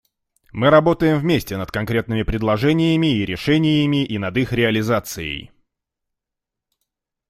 Мы работаем вместе над конкретными предложениями и решениями и над их реализацией.